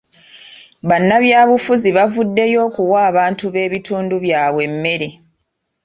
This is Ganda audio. Bannabyabufuzi bavuddeyo okuwa abantu b'ebitundu byabwe emmere.